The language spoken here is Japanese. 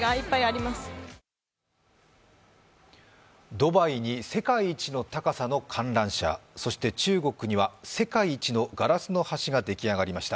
ドバイに世界一の高さの観覧車、そして中国には世界一のガラスの橋ができました。